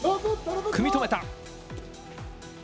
組み止めた。